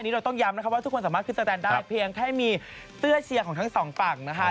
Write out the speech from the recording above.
เราต้องย้ำนะคะว่าทุกคนสามารถขึ้นสแตนได้เพียงแค่มีเสื้อเชียร์ของทั้งสองฝั่งนะคะ